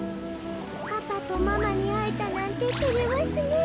パパとママにあえたなんててれますねえ。